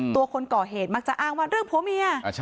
คนก่อเหตุมักจะอ้างว่าเรื่องผัวเมีย